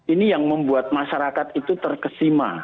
ini yang membuat masyarakat itu terkesima